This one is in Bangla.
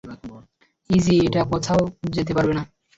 ইজি - এটা কোথাও যেতে পারবে না।